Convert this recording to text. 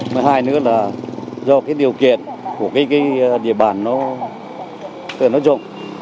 thứ hai nữa là do cái điều kiện của cái địa bàn nó rộng